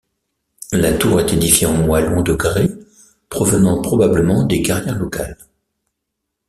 La tour est édifiée en moellon de grès provenant probablement des carrières locales.